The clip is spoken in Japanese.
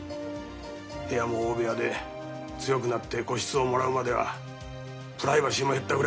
部屋も大部屋で強くなって個室をもらうまではプライバシーもへったくれもない。